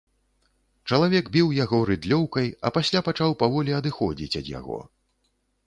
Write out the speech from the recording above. Чалавек біў яго рыдлёўкай, а пасля пачаў паволі адыходзіць ад яго.